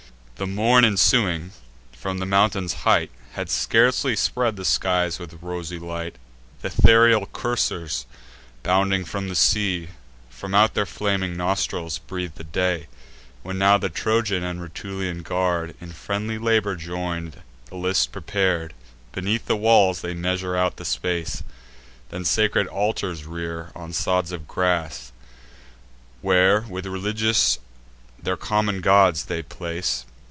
The morn ensuing, from the mountain's height, Had scarcely spread the skies with rosy light; Th' ethereal coursers, bounding from the sea, From out their flaming nostrils breath'd the day; When now the Trojan and Rutulian guard, In friendly labour join'd, the list prepar'd. Beneath the walls they measure out the space; Then sacred altars rear, on sods of grass, Where, with religious rites their common gods they place.